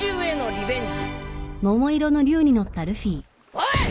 おい！